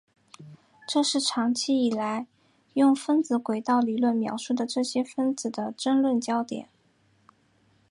这是长期以来用分子轨道理论描述这些分子的争论焦点。